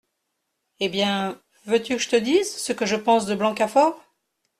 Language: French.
Eh bien, veux-tu que je te dise ce que je pense de Blancafort ?…